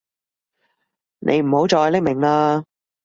你唔好再匿名喇